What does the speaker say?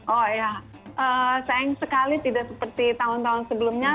oh ya sayang sekali tidak seperti tahun tahun sebelumnya